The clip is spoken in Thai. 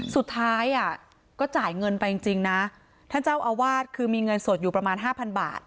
สุดท้ายอ่ะก็จ่ายเงินไปจริงจริงนะท่านเจ้าอาวาสคือมีเงินสดอยู่ประมาณห้าพันบาท